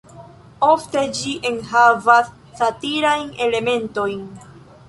Ofte ĝi enhavas satirajn elementojn.